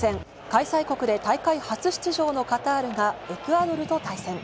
開催国で大会初出場のカタールがエクアドルと対戦。